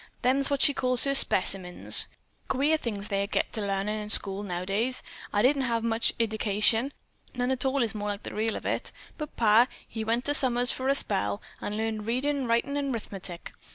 "Them's what she calls her specimens. Queer things they get to larnin' in schools nowadays. I didn't have much iddication. None at all is more like the real of it. But pa, he went summers for a spell, and learned readin', writin' and 'rithmetic.